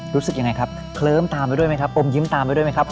รู้สึกยังไงครับเคลิ้มตามไปด้วยไหมครับอมยิ้มตามไปด้วยไหมครับ